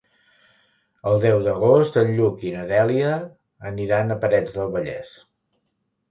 El deu d'agost en Lluc i na Dèlia aniran a Parets del Vallès.